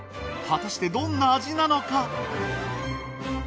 果たしてどんな味なのか？